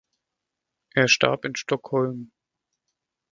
Er starb in Stockholm.